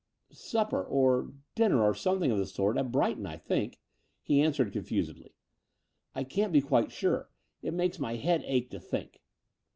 "Supper, or dinner, or something of the sort — ^at Brighton, I think," he answered confusedly. "I can't be quite sure. It makes my head ache to think."